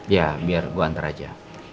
ya biar gue antar aja